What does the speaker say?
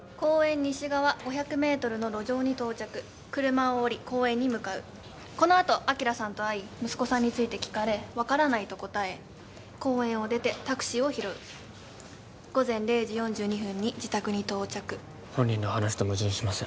西側５００メートルの路上に到着車を降り公園に向かうこのあと昭さんと会い息子さんについて聞かれ分からないと答え公園を出てタクシーを拾う午前０時４２分に自宅に到着本人の話と矛盾しません